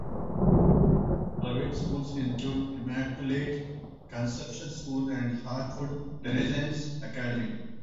Private schools include Immaculate Conception School and Heartwood Renaissance Academy.